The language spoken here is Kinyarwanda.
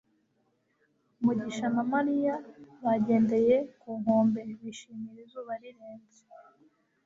mugisha na mariya bagendeye ku nkombe, bishimira izuba rirenze